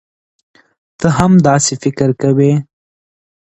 تۀ هم داسې فکر کوې؟